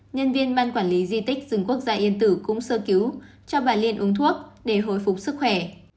nhân viên ban quản lý di tích rừng quốc gia yên tử cũng sơ cứu cho bà liên uống thuốc để hồi phục sức khỏe